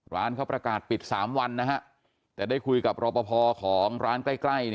ร้านเขาประกาศปิด๓วันนะฮะแต่ได้คุยกับรอปภของร้านใกล้